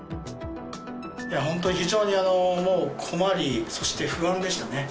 本当に非常にもう困り、そして不安でしたね。